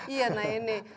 iya nah ini